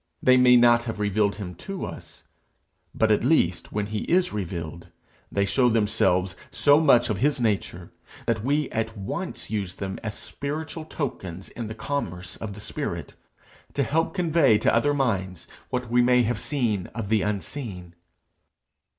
They may not have revealed him to us, but at least when he is revealed, they show themselves so much of his nature, that we at once use them as spiritual tokens in the commerce of the spirit, to help convey to other minds what we may have seen of the unseen.